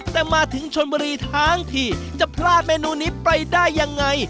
แต่มาถึงชนบุรีทั้งทีจะพลาดเมนูนี้ไปได้ยังไง